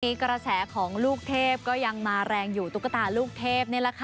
วันนี้กระแสของลูกเทพยังมาแรงอยู่ตุ๊กตาลูกเทพ